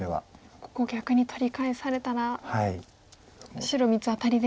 ここ逆に取り返されたら白３つアタリで。